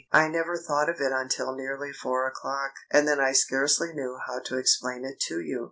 I never thought of it until nearly four o'clock. And then I scarcely knew how to explain it to you.